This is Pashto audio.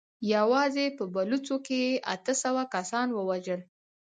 يواځې په بلوڅو کې يې اته سوه کسان ووژل.